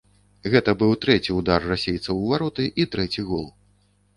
Гэта быў трэці ўдар расейцаў у вароты і трэці гол.